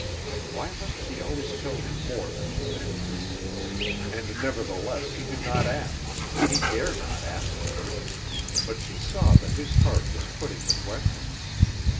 (Why must she always tell him more than she meant to? And nevertheless he did not ask, he dared not ask her. But she saw that his heart was putting the question.